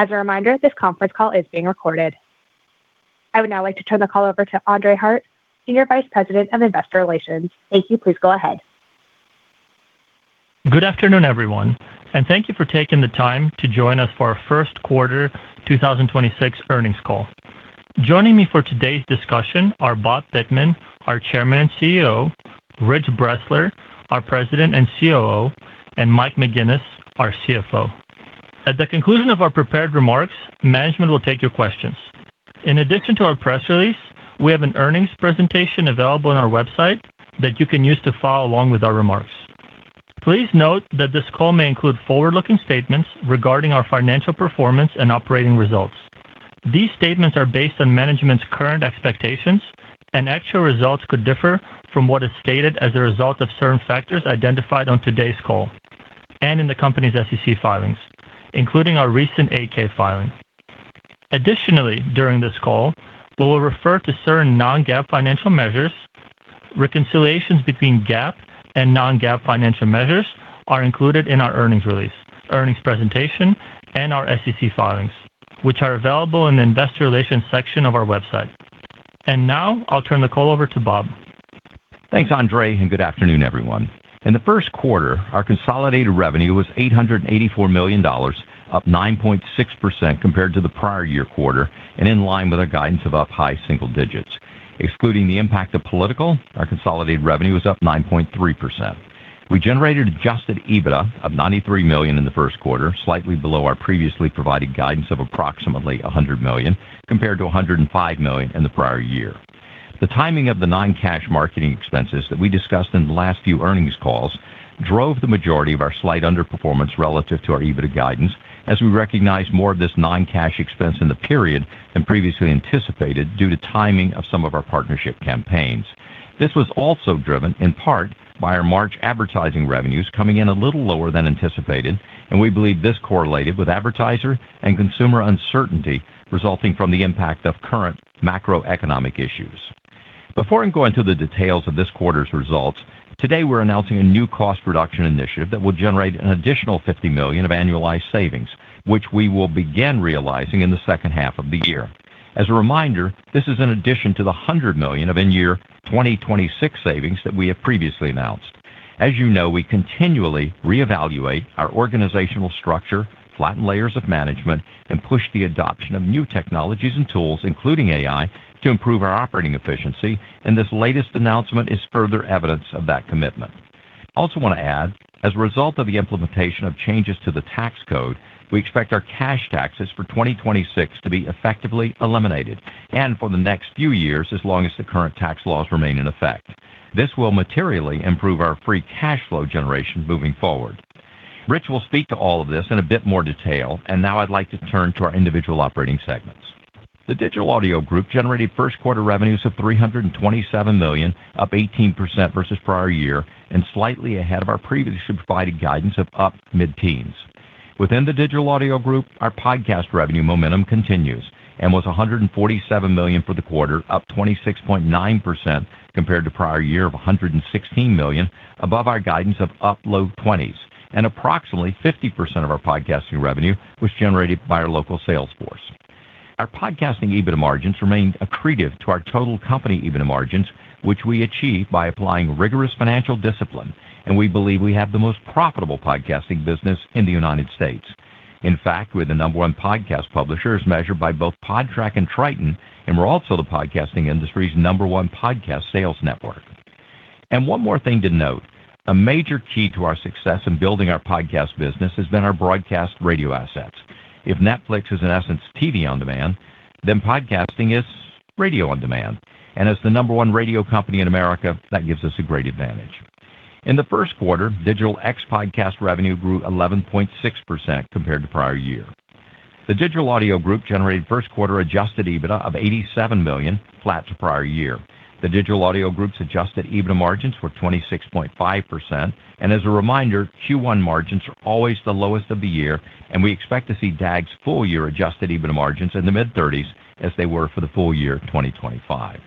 As a reminder, this Conference Call is being recorded. I would now like to turn the call over to Andrey Hart, Senior Vice President of Investor Relations. Thank you. Please go ahead. Good afternoon, everyone, and thank you for taking the time to join us for our Q12026 Earnings Call. Joining me for today's discussion are Bob Pittman, our Chairman and CEO, Rich Bressler, our President and COO, and Mike McGuinness, our CFO. At the conclusion of our prepared remarks, management will take your questions. In addition to our press release, we have an earnings presentation available on our website that you can use to follow along with our remarks. Please note that this call may include forward-looking statements regarding our financial performance and operating results. These statements are based on management's current expectations and actual results could differ from what is stated as a result of certain factors identified on today's call and in the company's SEC filings, including our recent 8-K filing. Additionally, during this call, we will refer to certain non-GAAP financial measures. Reconciliations between GAAP and non-GAAP financial measures are included in our earnings release, earnings presentation, and our SEC filings, which are available in the investor relations section of our website. Now I'll turn the call over to Bob. Thanks, Andrey, and good afternoon, everyone. In the first quarter, our consolidated revenue was $884 million, up 9.6% compared to the prior year quarter and in line with our guidance of up high single digits. Excluding the impact of political, our consolidated revenue was up 9.3%. We generated Adjusted EBITDA of $93 million in the first quarter, slightly below our previously provided guidance of approximately $100 million, compared to $105 million in the prior year. The timing of the non-cash marketing expenses that we discussed in the last few earnings calls drove the majority of our slight underperformance relative to our EBITDA guidance, as we recognized more of this non-cash expense in the period than previously anticipated due to timing of some of our partnership campaigns. This was also driven in part by our March advertising revenues coming in a little lower than anticipated, and we believe this correlated with advertiser and consumer uncertainty resulting from the impact of current macroeconomic issues. Before I go into the details of this quarter's results, today we're announcing a new cost reduction initiative that will generate an additional $50 million of annualized savings, which we will begin realizing in the 2H of the year. As a reminder, this is in addition to the $100 million of in-year 2026 savings that we have previously announced. As you know, we continually re-evaluate our organizational structure, flatten layers of management, and push the adoption of new technologies and tools, including AI, to improve our operating efficiency, and this latest announcement is further evidence of that commitment. Also want to add, as a result of the implementation of changes to the tax code, we expect our cash taxes for 2026 to be effectively eliminated and for the next few years, as long as the current tax laws remain in effect. This will materially improve our free cash flow generation moving forward. Rich will speak to all of this in a bit more detail. Now I'd like to turn to our individual operating segments. The Digital Audio Group generated Q1 revenues of $327 million, up 18% versus prior year and slightly ahead of our previously provided guidance of up mid-teens. Within the Digital Audio Group, our podcast revenue momentum continues and was $147 million for the quarter, up 26.9% compared to prior year of $116 million, above our guidance of up low 20s and approximately 50% of our podcasting revenue was generated by our local sales force. Our podcasting EBITDA margins remained accretive to our total company EBITDA margins, which we achieve by applying rigorous financial discipline. We believe we have the most profitable podcasting business in the United States. In fact, we're the number one podcast publisher as measured by both Podtrac and Triton. We're also the podcasting industry's number 1 podcast sales network. One more thing to note, a major key to our success in building our podcast business has been our broadcast radio assets. If Netflix is in essence TV on demand, then podcasting is radio on demand, and as the number one radio company in America, that gives us a great advantage. In the first quarter, digital ex-podcast revenue grew 11.6% compared to prior year. The Digital Audio Group generated Q1 Adjusted EBITDA of $87 million, flat to prior year. The Digital Audio Group's Adjusted EBITDA margins were 26.5%. As a reminder, Q1 margins are always the lowest of the year, and we expect to see DAG's full-year Adjusted EBITDA margins in the mid-30s as they were for the full year 2025.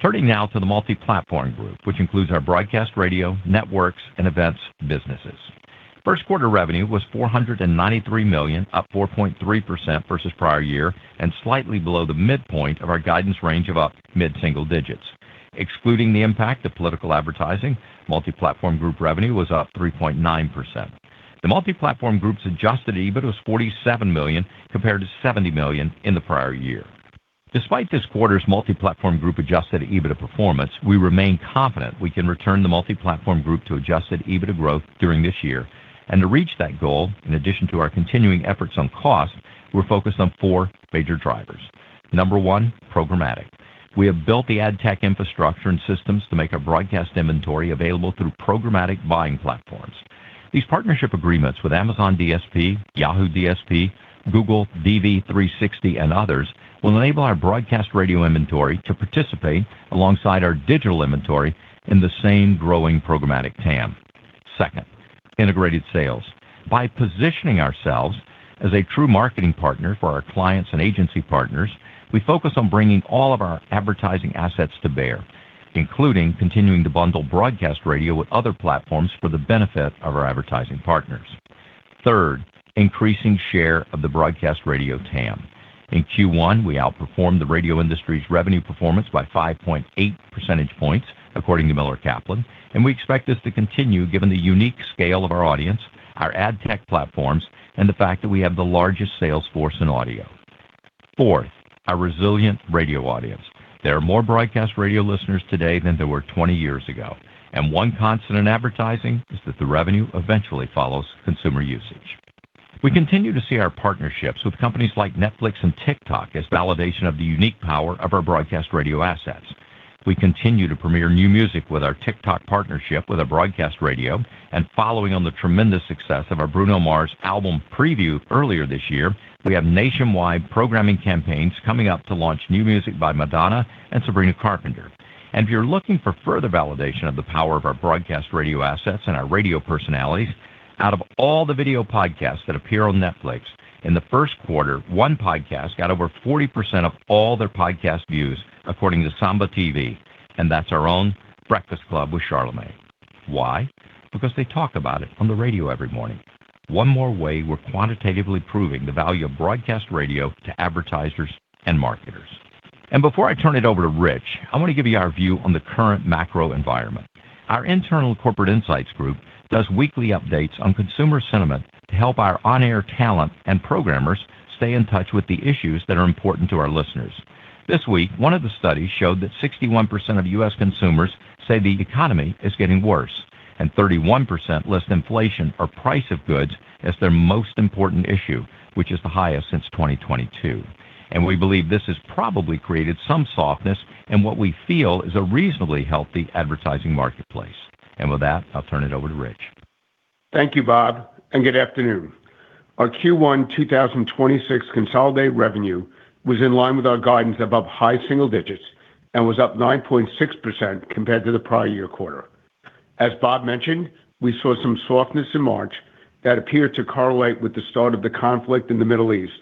Turning now to the Multiplatform Group, which includes our broadcast radio, networks, and events businesses. Q1 revenue was $493 million, up 4.3% versus prior year and slightly below the midpoint of our guidance range of up mid-single digits. Excluding the impact of political advertising, Multiplatform Group revenue was up 3.9%. The Multiplatform Group's adjusted EBIT was $47 million compared to $70 million in the prior year. Despite this quarter's Multiplatform Group Adjusted EBITDA performance, we remain confident we can return the Multiplatform Group to Adjusted EBITDA growth during this year. To reach that goal, in addition to our continuing efforts on cost, we're focused on four major drivers. Number one, Programmatic. We have built the ad tech infrastructure and systems to make our broadcast inventory available through programmatic buying platforms. These partnership agreements with Amazon DSP, Yahoo DSP, Google DV360, and others will enable our broadcast radio inventory to participate alongside our digital inventory in the same growing Programmatic TAM. Second, integrated sales. By positioning ourselves as a true marketing partner for our clients and agency partners, we focus on bringing all of our advertising assets to bear, including continuing to bundle broadcast radio with other platforms for the benefit of our advertising partners. Third, increasing share of the broadcast radio TAM. In Q1, we outperformed the radio industry's revenue performance by 5.8 percentage points according to Miller Kaplan, and we expect this to continue given the unique scale of our audience, our ad tech platforms, and the fact that we have the largest sales force in audio. Fourth, our resilient radio audience. There are more broadcast radio listeners today than there were 20 years ago. One constant in advertising is that the revenue eventually follows consumer usage. We continue to see our partnerships with companies like Netflix and TikTok as validation of the unique power of our broadcast radio assets. We continue to premiere new music with our TikTok partnership with a broadcast radio. Following on the tremendous success of our Bruno Mars album preview earlier this year, we have nationwide programming campaigns coming up to launch new music by Madonna and Sabrina Carpenter. If you're looking for further validation of the power of our broadcast radio assets and our radio personalities, out of all the video podcasts that appear on Netflix, in the first quarter, one podcast got over 40% of all their podcast views according to Samba TV. That's our own The Breakfast Club with Charlamagne. Why? Because they talk about it on the radio every morning. One more way we're quantitatively proving the value of broadcast radio to advertisers and marketers. Before I turn it over to Rich, I want to give you our view on the current macro environment. Our internal corporate insights group does weekly updates on consumer sentiment to help our on-air talent and programmers stay in touch with the issues that are important to our listeners. This week, one of the studies showed that 61% of U.S. consumers say the economy is getting worse, and 31% list inflation or price of goods as their most important issue, which is the highest since 2022. We believe this has probably created some softness in what we feel is a reasonably healthy advertising marketplace. With that, I'll turn it over to Rich. Thank you, Bob, and good afternoon. Our Q1 2026 consolidated revenue was in line with our guidance above high single digits and was up 9.6% compared to the prior year quarter. As Bob mentioned, we saw some softness in March that appeared to correlate with the start of the conflict in the Middle East.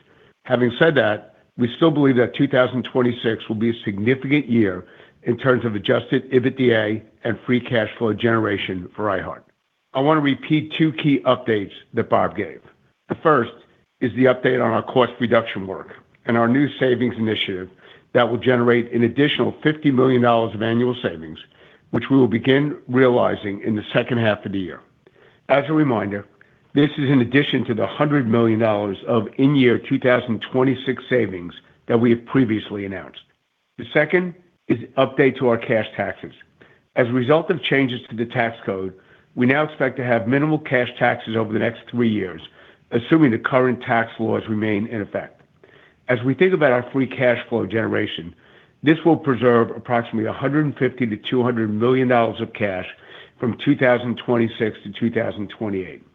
Having said that, we still believe that 2026 will be a significant year in terms of Adjusted EBITDA and free cash flow generation for iHeart. I want to repeat two key updates that Bob gave. The first is the update on our cost reduction work and our new savings initiative that will generate an additional $50 million of annual savings, which we will begin realizing in the 2H of the year. As a reminder, this is in addition to the $100 million of in-year 2026 savings that we have previously announced. The second is an update to our cash taxes. As a result of changes to the tax code, we now expect to have minimal cash taxes over the next three years, assuming the current tax laws remain in effect. As we think about our free cash flow generation, this will preserve approximately $150 million-$200 million of cash from 2026 to 2028.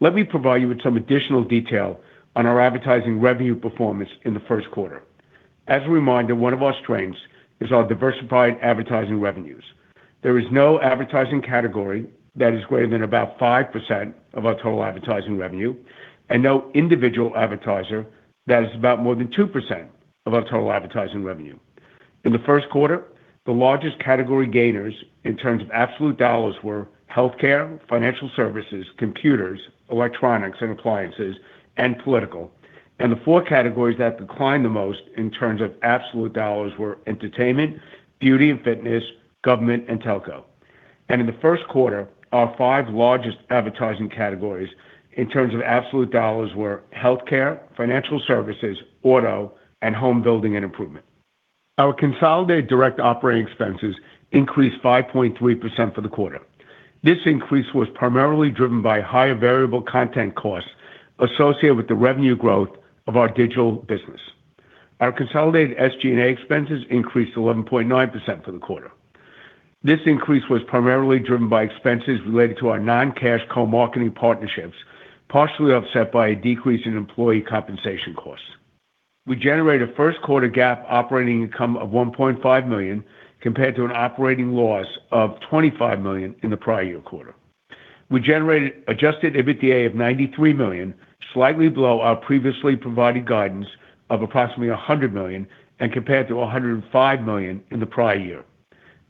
Let me provide you with some additional detail on our advertising revenue performance in the first quarter. As a reminder, one of our strengths is our diversified advertising revenues. There is no advertising category that is greater than about 5% of our total advertising revenue and no individual advertiser that is about more than 2% of our total advertising revenue. In the first quarter, the largest category gainers in terms of absolute dollars were healthcare, financial services, computers, electronics and appliances, and political. The four categories that declined the most in terms of absolute dollars were entertainment, beauty and fitness, government, and telco. In the first quarter, our five largest advertising categories in terms of absolute dollars were healthcare, financial services, auto, and home building and improvement. Our consolidated direct operating expenses increased 5.3% for the quarter. This increase was primarily driven by higher variable content costs associated with the revenue growth of our Digital Audio Group. Our consolidated SG&A expenses increased 11.9% for the quarter. This increase was primarily driven by expenses related to our non-cash co-marketing partnerships, partially offset by a decrease in employee compensation costs. We generated a Q1 GAAP operating income of $1.5 million compared to an operating loss of $25 million in the prior year quarter. We generated Adjusted EBITDA of $93 million, slightly below our previously provided guidance of approximately $100 million and compared to $105 million in the prior year.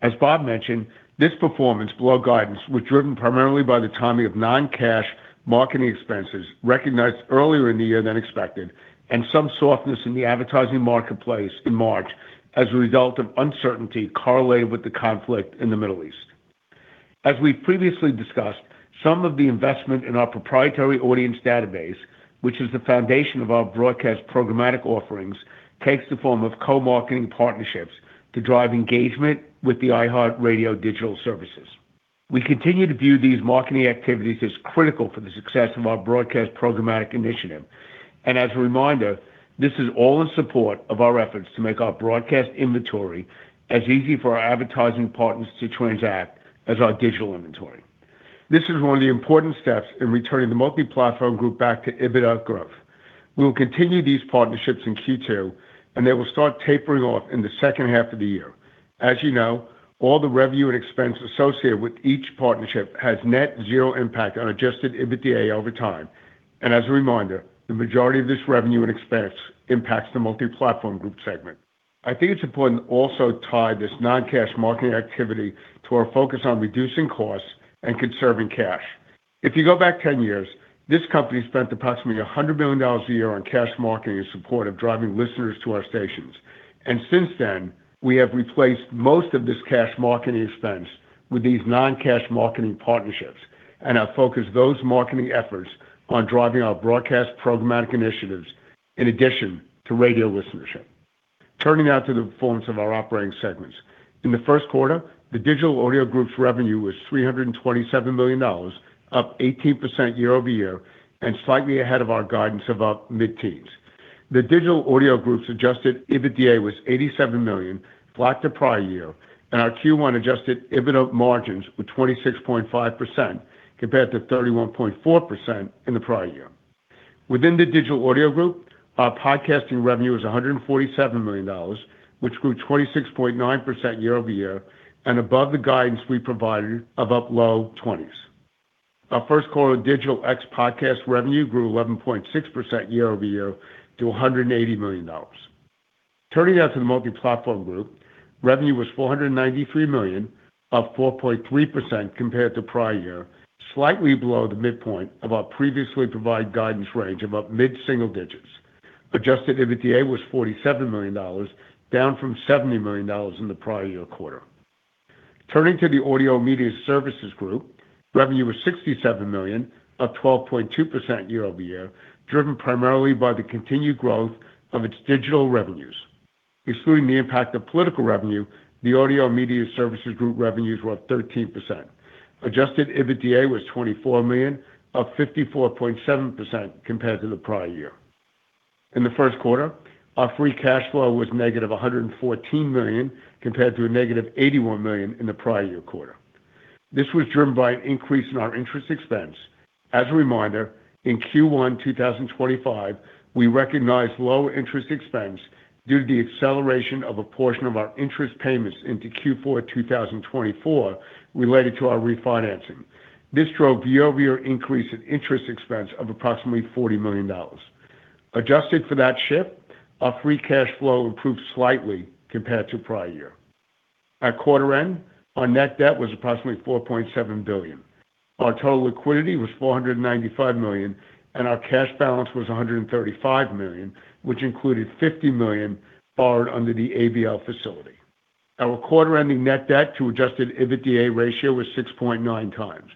As Bob mentioned, this performance below guidance was driven primarily by the timing of non-cash marketing expenses recognized earlier in the year than expected and some softness in the advertising marketplace in March as a result of uncertainty correlated with the conflict in the Middle East. As we previously discussed, some of the investment in our proprietary audience database, which is the foundation of our broadcast Programmatic offerings, takes the form of co-marketing partnerships to drive engagement with the iHeartRadio digital services. We continue to view these marketing activities as critical for the success of our broadcast Programmatic initiative. As a reminder, this is all in support of our efforts to make our broadcast inventory as easy for our advertising partners to transact as our digital inventory. This is one of the important steps in returning the Multiplatform Group back to EBITDA growth. We will continue these partnerships in Q2, and they will start tapering off in the 2H of the year. As you know, all the revenue and expense associated with each partnership has net zero impact on Adjusted EBITDA over time. As a reminder, the majority of this revenue and expense impacts the Multiplatform Group segment. I think it's important to also tie this non-cash marketing activity to our focus on reducing costs and conserving cash. If you go back 10 years, this company spent approximately $100 million a year on cash marketing in support of driving listeners to our stations. Since then, we have replaced most of this cash marketing expense with these non-cash marketing partnerships and have focused those marketing efforts on driving our broadcast programmatic initiatives in addition to radio listenership. Turning now to the performance of our operating segments. In the first quarter, the Digital Audio Group's revenue was $327 million, up 18% year-over-year and slightly ahead of our guidance of up mid-teens. The Digital Audio Group's Adjusted EBITDA was $87 million, flat to prior year, and our Q1 Adjusted EBITDA margins were 26.5% compared to 31.4% in the prior year. Within the Digital Audio Group, our podcasting revenue is $147 million, which grew 26.9% year-over-year and above the guidance we provided of up low 20s. Our Q1 Digital ex-podcast revenue grew 11.6% year-over-year to $180 million. Turning now to the Multiplatform Group, revenue was $493 million, up 4.3% compared to prior year, slightly below the midpoint of our previously provided guidance range of up mid-single digits. Adjusted EBITDA was $47 million, down from $70 million in the prior year quarter. Turning to the Audio Media Services Group, revenue was $67 million, up 12.2% year-over-year, driven primarily by the continued growth of its digital revenues. Excluding the impact of political revenue, the Audio Media Services Group revenues were up 13%. Adjusted EBITDA was $24 million, up 54.7% compared to the prior year. In the first quarter, our free cash flow was negative $114 million, compared to a negative $81 million in the prior year quarter. This was driven by an increase in our interest expense. As a reminder, in Q1 2025, we recognized lower interest expense due to the acceleration of a portion of our interest payments into Q4 2024 related to our refinancing. This drove year-over-year increase in interest expense of approximately $40 million. Adjusted for that shift, our free cash flow improved slightly compared to prior year. At quarter end, our net debt was approximately $4.7 billion. Our total liquidity was $495 million, and our cash balance was $135 million, which included $50 million borrowed under the ABL facility. Our quarter ending net debt to Adjusted EBITDA ratio was 6.9 times.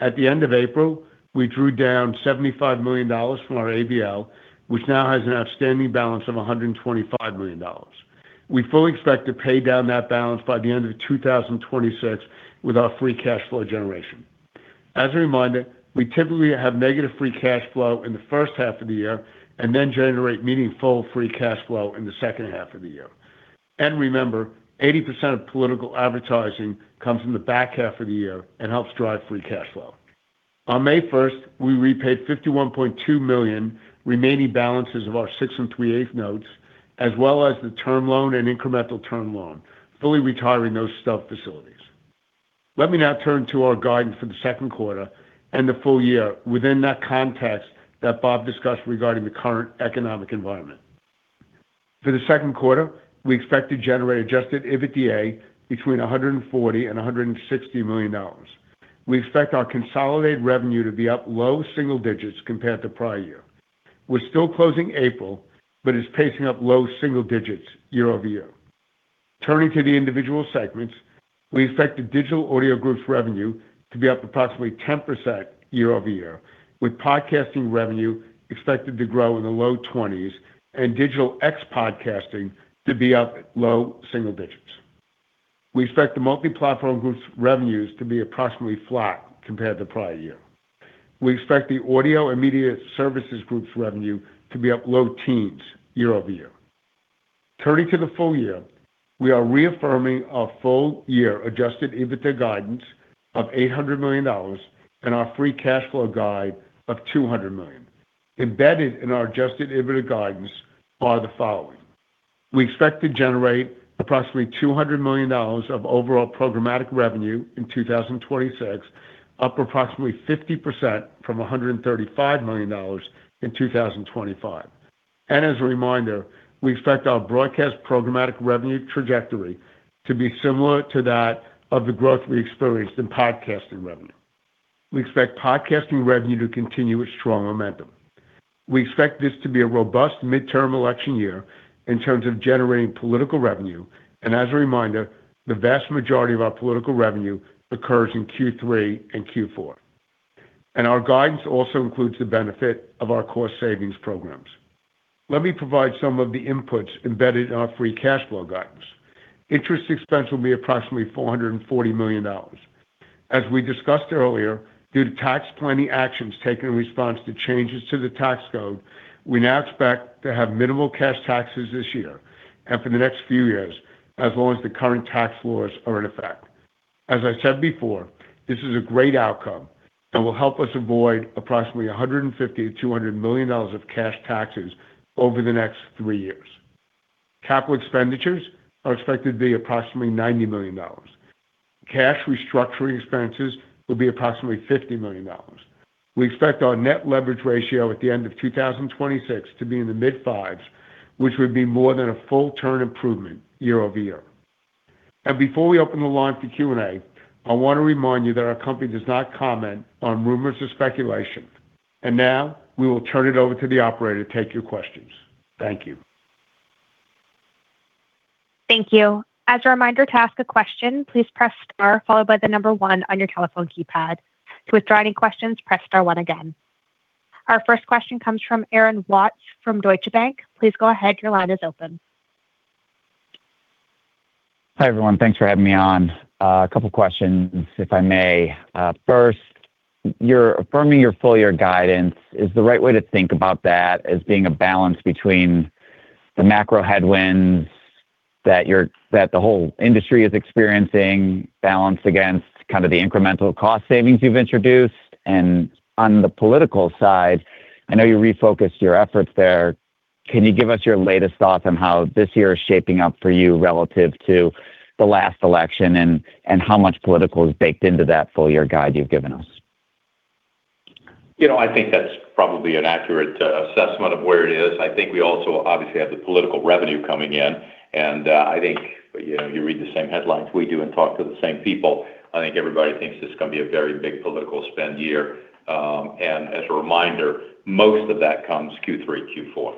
At the end of April, we drew down $75 million from our ABL, which now has an outstanding balance of $125 million. We fully expect to pay down that balance by the end of 2026 with our free cash flow generation. As a reminder, we typically have negative free cash flow in the first half of the year and then generate meaningful free cash flow in the 2H of the year. Remember, 80% of political advertising comes in the back half of the year and helps drive free cash flow. On May 1st, we repaid $51.2 million remaining balances of our 6.375% notes, as well as the term loan and incremental term loan, fully retiring those stub facilities. Let me now turn to our guidance for the Q2 and the full year within that context that Bob discussed regarding the current economic environment. For the Q2, we expect to generate Adjusted EBITDA between $140 million and $160 million. We expect our consolidated revenue to be up low single digits compared to prior year. We're still closing April, but it's pacing up low single digits year-over-year. Turning to the individual segments, we expect the Digital Audio Group's revenue to be up approximately 10% year-over-year, with podcasting revenue expected to grow in the low 20s and Digital ex-podcasting to be up low single digits. We expect the Multiplatform Group's revenues to be approximately flat compared to prior year. We expect the Audio and Media Services Group's revenue to be up low teens year-over-year. Turning to the full year, we are reaffirming our full year Adjusted EBITDA guidance of $800 million and our free cash flow guide of $200 million. Embedded in our Adjusted EBITDA guidance are the following. We expect to generate approximately $200 million of overall programmatic revenue in 2026, up approximately 50% from $135 million in 2025. As a reminder, we expect our broadcast programmatic revenue trajectory to be similar to that of the growth we experienced in podcasting revenue. We expect podcasting revenue to continue its strong momentum. We expect this to be a robust midterm election year in terms of generating political revenue. As a reminder, the vast majority of our political revenue occurs in Q3 and Q4. Our guidance also includes the benefit of our cost savings programs. Let me provide some of the inputs embedded in our free cash flow guidance. Interest expense will be approximately $440 million. As we discussed earlier, due to tax planning actions taken in response to changes to the tax code, we now expect to have minimal cash taxes this year and for the next few years, as long as the current tax laws are in effect. As I said before, this is a great outcome and will help us avoid approximately $150 million-$200 million of cash taxes over the next three years. Capital expenditures are expected to be approximately $90 million. Cash restructuring expenses will be approximately $50 million. We expect our net leverage ratio at the end of 2026 to be in the mid-5s, which would be more than a full turn improvement year-over-year. Before we open the line for Q&A, I wanna remind you that our company does not comment on rumors or speculation. Now, we will turn it over to the operator to take your questions. Thank you. Thank you. As a reminder, to ask a question, please press star followed by the 1 on your telephone keypad. To withdraw any questions, press star 1 again. Our first question comes from Aaron Watts from Deutsche Bank. Please go ahead, your line is open. Hi, everyone. Thanks for having me on. A couple questions, if I may. First, you're affirming your full year guidance. Is the right way to think about that as being a balance between the macro headwinds that the whole industry is experiencing balanced against kind of the incremental cost savings you've introduced? On the political side, I know you refocused your efforts there. Can you give us your latest thoughts on how this year is shaping up for you relative to the last election, and how much political is baked into that full year guide you've given us? You know, I think that's probably an accurate, assessment of where it is. I think we also obviously have the political revenue coming in. I think, you know, you read the same headlines we do and talk to the same people. I think everybody thinks it's gonna be a very big political spend year. As a reminder, most of that comes Q3, Q4.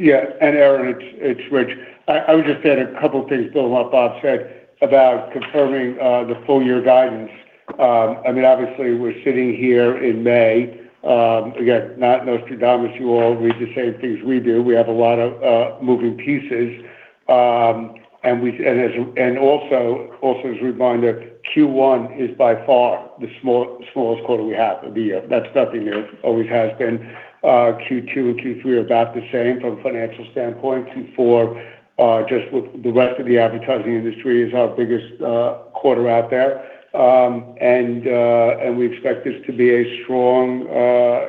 Aaron, it's Rich. I would just add a couple things building off Bob said about confirming the full year guidance. I mean, obviously we're sitting here in May. Again, not Nostradamus. You all read the same things we do. We have a lot of moving pieces, and as a reminder, Q1 is by far the smallest quarter we have of the year. That's nothing new. It always has been. Q2 and Q3 are about the same from a financial standpoint. Q4, just with the rest of the advertising industry, is our biggest quarter out there. And we expect this to be a strong,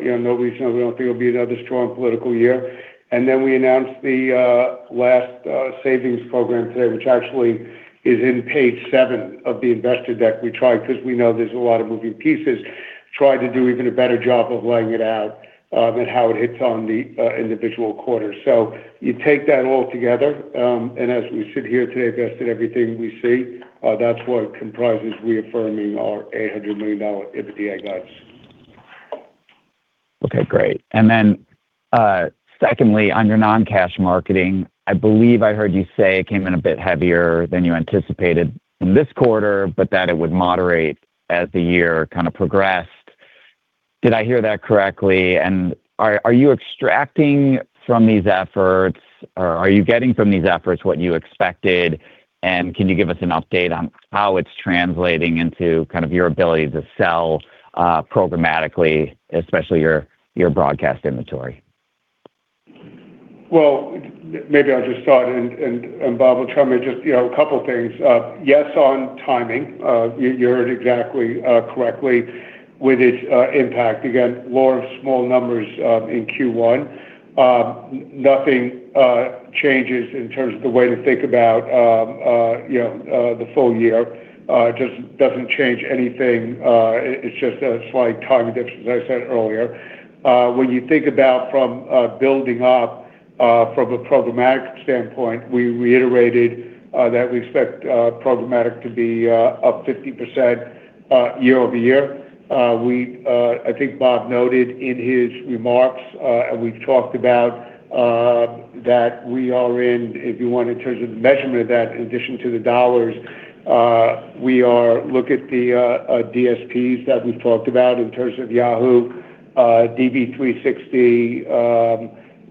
you know, nobody's gonna be able to figure out It'll be another strong political year. We announced the last savings program today, which actually is in page seven of the investor deck. We tried, 'cause we know there's a lot of moving pieces, tried to do even a better job of laying it out and how it hits on the individual quarters. You take that all together, and as we sit here today, vested everything we see, that's what comprises reaffirming our $800 million EBITDA guidance. Okay, great. Secondly, on your non-cash marketing, I believe I heard you say it came in a bit heavier than you anticipated this quarter, but that it would moderate as the year kind of progressed. Did I hear that correctly? Are you extracting from these efforts or are you getting from these efforts what you expected? Can you give us an update on how it's translating into kind of your ability to sell programmatically, especially your broadcast inventory? Well, maybe I'll just start, and Bob will chime in. Just, you know, a couple things. Yes on timing. You heard exactly correctly with its impact. Again, law of small numbers in Q1. Nothing changes in terms of the way to think about, you know, the full year. It just doesn't change anything. It's just a slight timing difference as I said earlier. When you think about from building up from a programmatic standpoint, we reiterated that we expect programmatic to be up 50% year-over-year. I think Bob noted in his remarks, and we've talked about that we are in, if you want in terms of measurement of that in addition to the dollars, we are look at the DSPs that we've talked about in terms of Yahoo, DV360,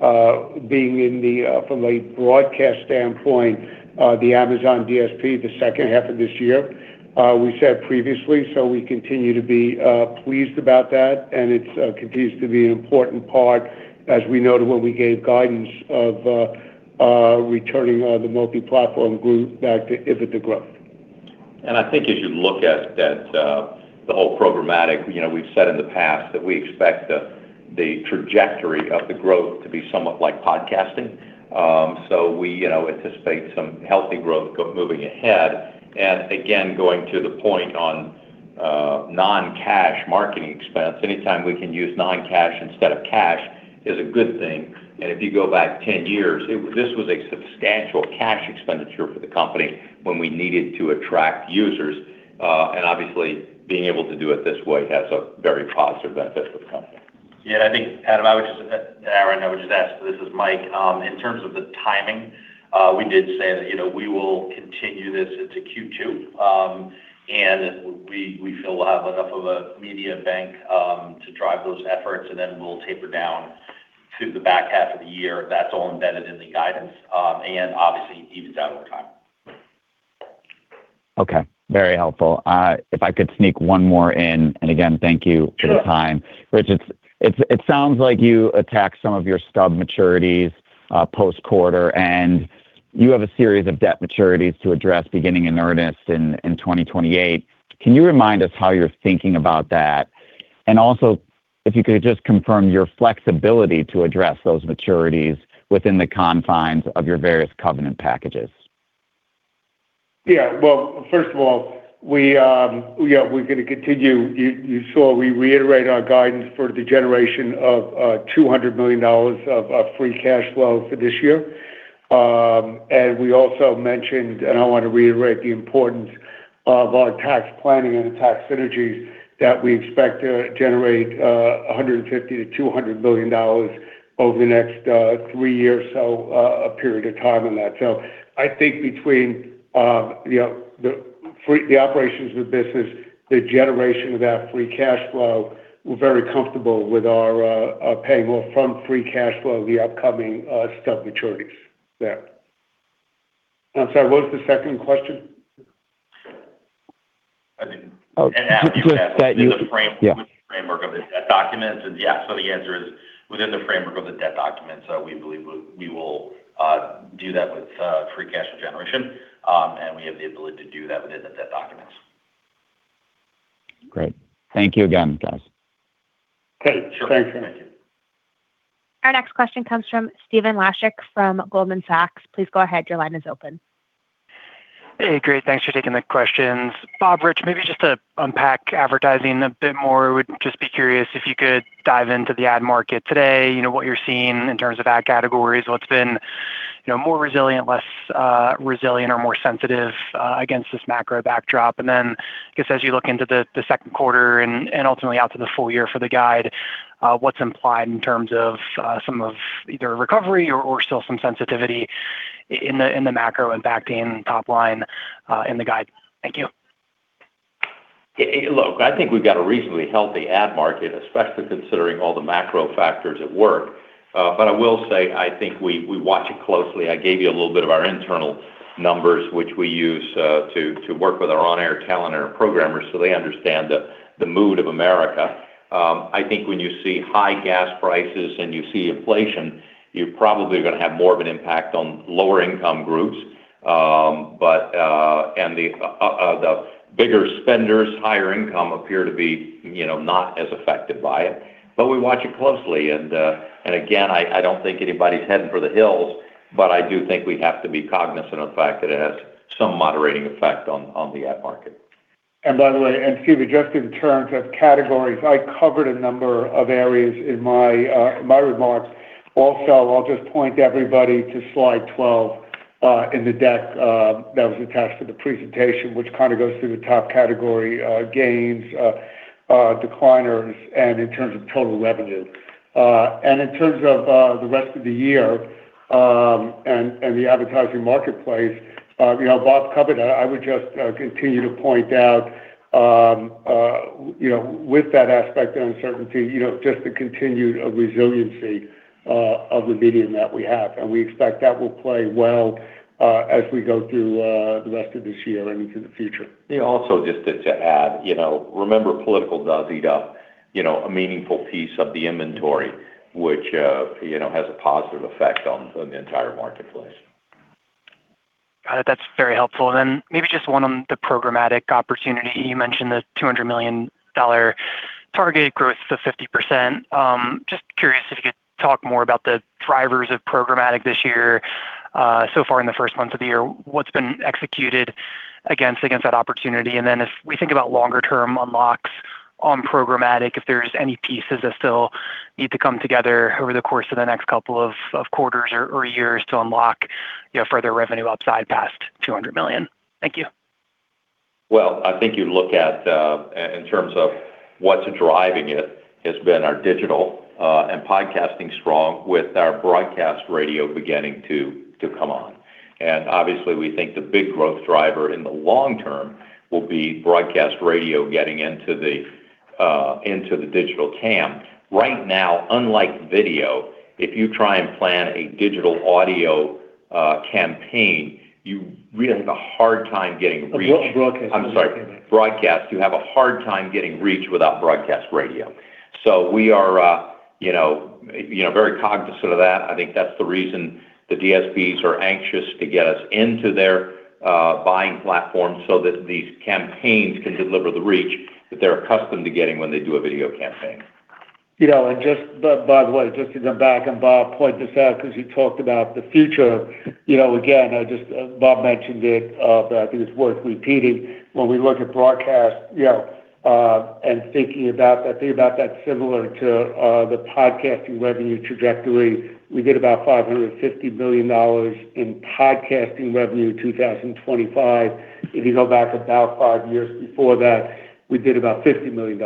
being in the from a broadcast standpoint, the Amazon DSP the 2H of this year, we said previously. We continue to be pleased about that, and it's continues to be an important part as we noted when we gave guidance of returning the Multiplatform Group back to EBITDA growth. I think as you look at that, the whole programmatic, you know, we've said in the past that we expect the trajectory of the growth to be somewhat like podcasting. We, you know, anticipate some healthy growth moving ahead. Again, going to the point on non-cash marketing expense, anytime we can use non-cash instead of cash is a good thing. If you go back 10 years, this was a substantial cash expenditure for the company when we needed to attract users. Obviously, being able to do it this way has a very positive benefit for the company. Yeah, I think, Aaron, I would just ask, this is Mike, in terms of the timing, we did say that, you know, we will continue this into Q2. We feel we'll have enough of a media bank, to drive those efforts, and then we'll taper down to the back half of the year. That's all embedded in the guidance, and obviously evens out over time. Okay. Very helpful. If I could sneak one more in, and again, thank you for the time. Sure. Rich, it sounds like you attacked some of your stub maturities, post-quarter, and you have a series of debt maturities to address beginning in earnest in 2028. Can you remind us how you're thinking about that? Also, if you could just confirm your flexibility to address those maturities within the confines of your various covenant packages. First of all, we, yeah, we're gonna continue. You saw we reiterate our guidance for the generation of $200 million of free cash flow for this year. We also mentioned, and I wanna reiterate the importance of our tax planning and tax synergies that we expect to generate $150 million-$200 million over the next three years. A period of time on that. I think between, you know, the operations of the business, the generation of that free cash flow, we're very comfortable with our paying off from free cash flow, the upcoming stub maturities there. I'm sorry, what was the second question? I mean- Oh. And as you said- That you- In the frame- Yeah. Within the framework of the debt documents. Yeah, the answer is within the framework of the debt document. We believe we will do that with free cash generation. We have the ability to do that within the debt documents. Great. Thank you again, guys. Okay. Sure. Thanks. Our next question comes from Stephen Laszczyk from Goldman Sachs. Please go ahead, your line is open. Hey, great. Thanks for taking the questions. Bob, Rich, maybe just to unpack advertising a bit more, would just be curious if you could dive into the ad market today. You know, what you're seeing in terms of ad categories? What's been, you know, more resilient, less resilient or more sensitive against this macro backdrop? Then I guess as you look into the Q2 and ultimately out to the full year for the guide, what's implied in terms of some of either recovery or still some sensitivity in the macro impacting top line in the guide? Thank you. Hey, look, I think we've got a reasonably healthy ad market, especially considering all the macro factors at work. I will say I think we watch it closely. I gave you a little bit of our internal numbers, which we use to work with our on-air talent and our programmers so they understand the mood of America. I think when you see high gas prices and you see inflation, you're probably gonna have more of an impact on lower income groups. The bigger spenders, higher income appear to be, you know, not as affected by it. We watch it closely and, again, I don't think anybody's heading for the hills, but I do think we have to be cognizant of the fact that it has some moderating effect on the ad market. By the way, Stephen, just in terms of categories, I covered a number of areas in my remarks. Also, I'll just point everybody to slide 12 in the deck that was attached to the presentation, which kind of goes through the top category gains, decliners and in terms of total revenue. In terms of the rest of the year, and the advertising marketplace, you know, Bob covered that. I would just continue to point out, you know, with that aspect of uncertainty, you know, just the continued resiliency of the medium that we have. We expect that will play well as we go through the rest of this year and into the future. Yeah. Also, just to add, you know, remember political does eat up, you know, a meaningful piece of the inventory, which, you know, has a positive effect on the entire marketplace. Got it. That's very helpful. Maybe just one on the programmatic opportunity. You mentioned the $200 million targeted growth to 50%. Just curious if you could talk more about the drivers of programmatic this year. So far in the first months of the year, what's been executed against that opportunity? If we think about longer term unlocks on programmatic, if there's any pieces that still need to come together over the course of the next couple of quarters or years to unlock, you know, further revenue upside past $200 million. Thank you. Well, I think you look at in terms of what's driving it has been our digital and podcasting strong with our broadcast radio beginning to come on. Obviously, we think the big growth driver in the long term will be broadcast radio getting into the digital TAM. Right now, unlike video, if you try and plan a digital audio campaign, you really have a hard time getting reach. Oh, broadcast. I'm sorry. Broadcast. You have a hard time getting reach without broadcast radio. We are, you know, very cognizant of that. I think that's the reason the DSPs are anxious to get us into their buying platform so that these campaigns can deliver the reach that they're accustomed to getting when they do a video campaign. You know, just by the way, just to come back, and Bob pointed this out because he talked about the future. You know, again, just Bob mentioned it, I think it's worth repeating. When we look at broadcast, you know, thinking about that, think about that similar to the podcasting revenue trajectory. We did about $550 million in podcasting revenue 2025. If you go back about five years before that, we did about $50 million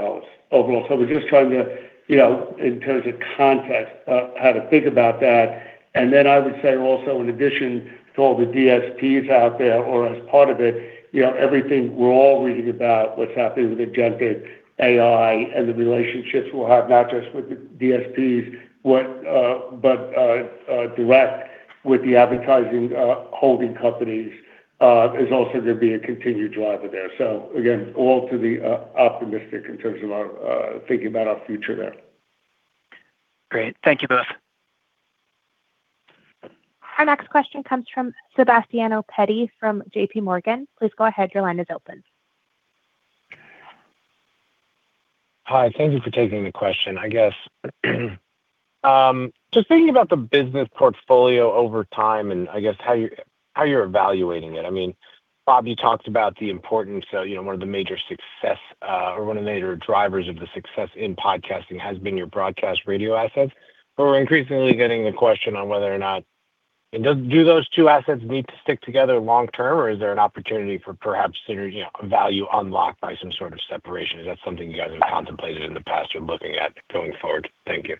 overall. We're just trying to, you know, in terms of context of how to think about that. I would say also in addition to all the DSPs out there or as part of it, you know, everything we're all reading about what's happening with agentic AI and the relationships we'll have, not just with the DSPs, but direct with the advertising holding companies, is also gonna be a continued driver there. Again, all to the optimistic in terms of our thinking about our future there. Great. Thank you both. Our next question comes from Sebastiano Petti from J.P. Morgan. Please go ahead, your line is open. Hi, thank you for taking the question. I guess, just thinking about the business portfolio over time and I guess how you're, how you're evaluating it. I mean, Bob, you talked about the importance, you know, one of the major success or one of the major drivers of the success in podcasting has been your broadcast radio assets. We're increasingly getting the question on whether or not do those two assets need to stick together long term or is there an opportunity for perhaps synergy, you know, value unlocked by some sort of separation? Is that something you guys have contemplated in the past or looking at going forward? Thank you.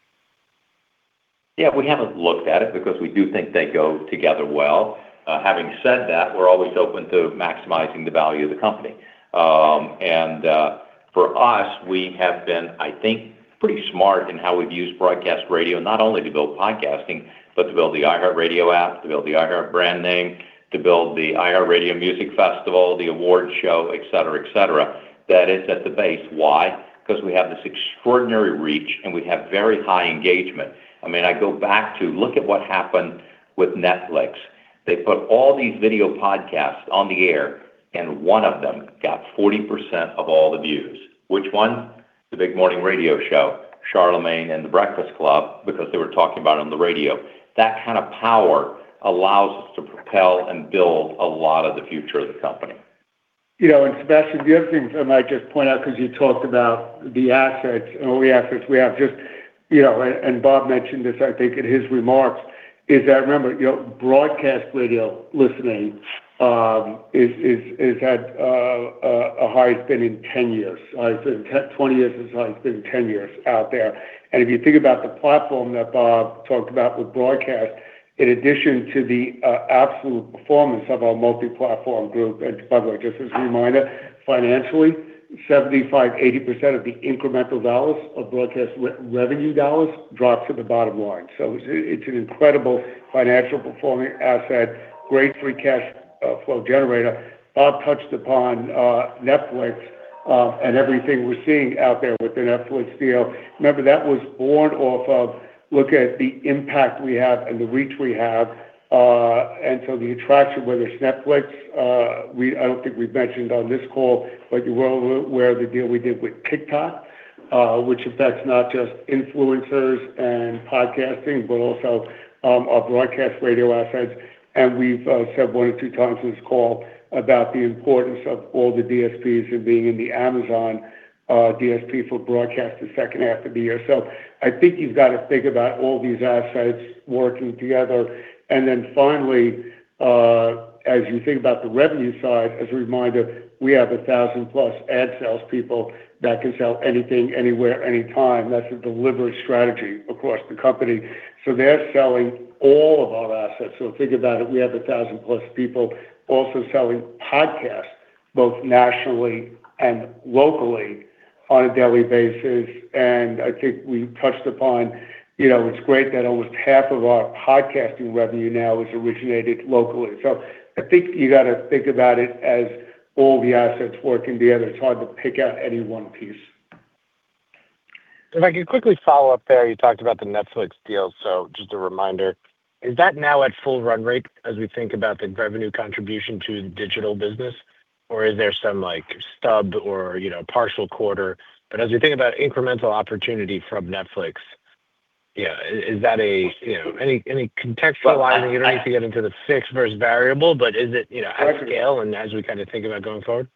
Yeah, we haven't looked at it because we do think they go together well. Having said that, we're always open to maximizing the value of the company. For us, we have been, I think, pretty smart in how we've used broadcast radio, not only to build podcasting, but to build the iHeartRadio app, to build the iHeart brand name, to build the iHeartRadio Music Festival, the awards show, et cetera, et cetera. That is at the base. Why? We have this extraordinary reach, and we have very high engagement. I mean, I go back to look at what happened with Netflix. They put all these video podcasts on the air, and one of them got 40% of all the views. Which one? The Big Morning Radio Show, Charlemagne and The Breakfast Club, because they were talking about it on the radio. That kind of power allows us to propel and build a lot of the future of the company. You know, Sebastian, the other thing I might just point out, because you talked about the assets and all the assets we have just, you know, and Bob mentioned this, I think, in his remarks, is that, remember, you know, broadcast radio listening is at a high it's been in 10 years. It's in 20 years, it's high, it's been 10 years out there. If you think about the platform that Bob talked about with broadcast, in addition to the absolute performance of our Multiplatform Group, and by the way, just as a reminder, financially, 75%-80% of the incremental dollars of broadcast revenue dollars dollars drop to the bottom line. It's an incredible financial performing asset, great free cash flow generator. Bob touched upon Netflix and everything we're seeing out there with the Netflix deal. Remember, that was born off of look at the impact we have and the reach we have, the attraction, whether it's Netflix, we, I don't think we've mentioned on this call, but you're well aware of the deal we did with TikTok, which affects not just influencers and podcasting, but also, our broadcast radio assets. We've said one or two times in this call about the importance of all the DSPs and being in the Amazon DSP for broadcast the 2H of the year. I think you've got to think about all these assets working together. Finally, as you think about the revenue side, as a reminder, we have 1,000 plus ad sales people that can sell anything, anywhere, anytime. That's a delivery strategy across the company. They're selling all of our assets. Think about it, we have 1,000 plus people also selling podcasts, both nationally and locally on a daily basis. I think we touched upon, you know, it's great that almost half of our podcasting revenue now is originated locally. I think you got to think about it as all the assets working together. It's hard to pick out any one piece. If I could quickly follow up there, you talked about the Netflix deal. Just a reminder, is that now at full run rate as we think about the revenue contribution to the digital business? Or is there some, like, stubbed or, you know, partial quarter? As we think about incremental opportunity from Netflix, you know, is that a, you know, any contextualizing, you don't need to get into the fixed versus variable, but is it, you know, at scale and as we kind of think about going forward?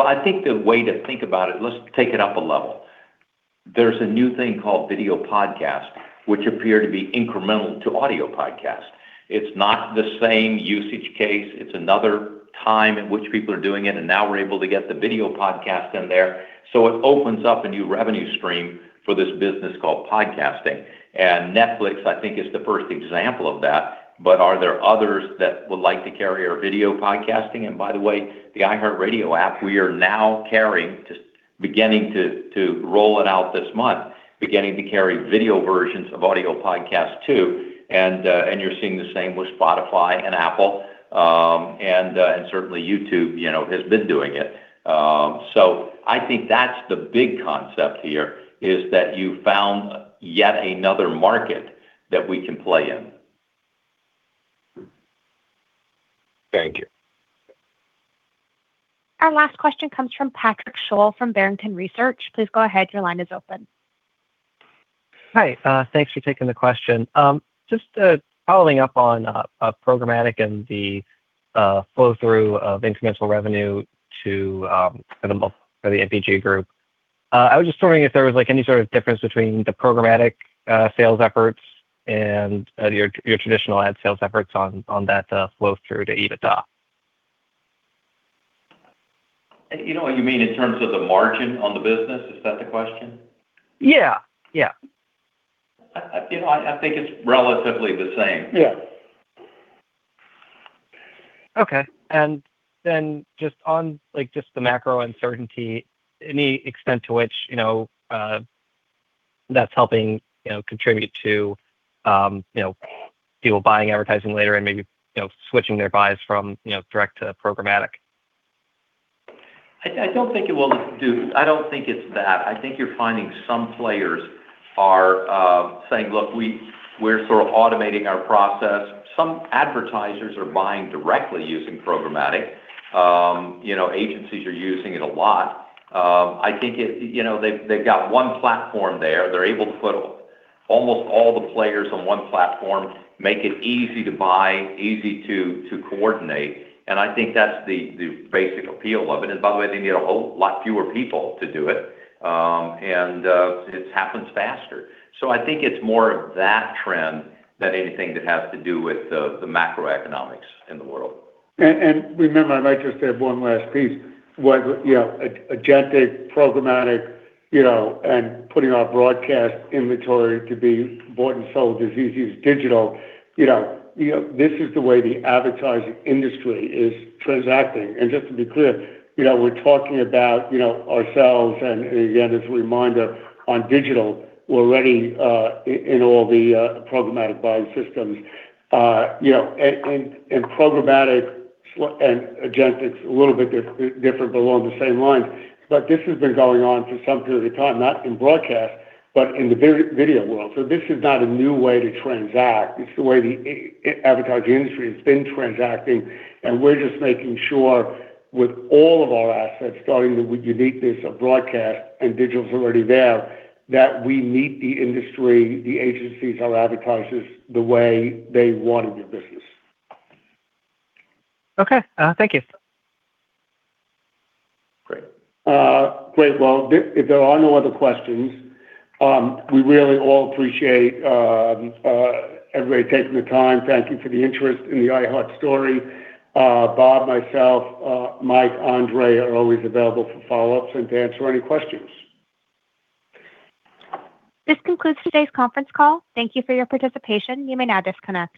I think the way to think about it, let's take it up a level. There's a new thing called video podcast, which appear to be incremental to audio podcast. It's not the same usage case. It's another time in which people are doing it, and now we're able to get the video podcast in there. It opens up a new revenue stream for this business called podcasting. Netflix, I think, is the first example of that. Are there others that would like to carry our video podcasting? By the way, the iHeartRadio app, we are now carrying, just beginning to roll it out this month, beginning to carry video versions of audio podcasts too. You're seeing the same with Spotify and Apple. Certainly YouTube, you know, has been doing it. I think that's the big concept here, is that you found yet another market that we can play in. Thank you. Our last question comes from Patrick Sholl from Barrington Research. Please go ahead, your line is open. Hi, thanks for taking the question. Just following up on programmatic and the flow through of incremental revenue to for the MPG group. I was just wondering if there was, like, any sort of difference between the programmatic sales efforts and your traditional ad sales efforts on that flow through to EBITDA. You know what you mean in terms of the margin on the business? Is that the question? Yeah. Yeah. You know, I think it's relatively the same. Yeah. Okay. Then just on, like, just the macro uncertainty, any extent to which, you know, that's helping, you know, contribute to, you know, people buying advertising later and maybe, you know, switching their buys from, you know, direct to programmatic? I don't think it will do. I don't think it's that. I think you're finding some players are saying, "Look, we're sort of automating our process." Some advertisers are buying directly using programmatic. You know, agencies are using it a lot. I think it's, you know, they've got one platform there. They're able to put almost all the players on one platform, make it easy to buy, easy to coordinate. I think that's the basic appeal of it. By the way, they need a whole lot fewer people to do it. It happens faster. I think it's more of that trend than anything that has to do with the macroeconomics in the world. Remember, I might just add one last piece, was, you know, agentic programmatic, you know, and putting our broadcast inventory to be bought and sold as easy as digital. You know, you know, this is the way the advertising industry is transacting. Just to be clear, you know, we're talking about, you know, ourselves and again, as a reminder on digital, we're already in all the programmatic buying systems. You know, and programmatic and agentic, it's a little bit different but along the same lines. This has been going on for some period of time, not in broadcast, but in the video world. This is not a new way to transact. It's the way the advertise industry has been transacting, and we're just making sure with all of our assets, starting with uniqueness of broadcast and digital's already there, that we meet the industry, the agencies, our advertisers, the way they want to do business. Okay. Thank you. Great. Great. Well, if there are no other questions, we really all appreciate everybody taking the time. Thank you for the interest in the iHeart story. Bob, myself, Mike, Andrey are always available for follow-ups and to answer any questions. This concludes today's conference call. Thank you for your participation. You may now disconnect.